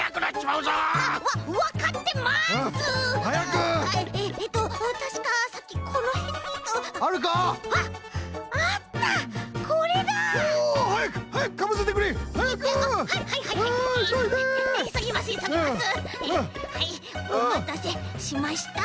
おまたせしました。